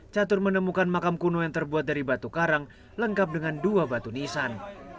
catur menemukan makam kuno yang terbuat dari batu karang lengkap dengan dua batu nisan